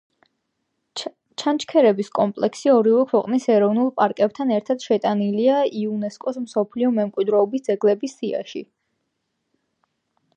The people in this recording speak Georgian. ჩანჩქერების კომპლექსი ორივე ქვეყნის ეროვნულ პარკებთან ერთად შეტანილია იუნესკოს მსოფლიო მემკვიდრეობის ძეგლების სიაში.